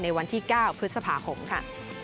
วันที่๙พฤษภาคมค่ะ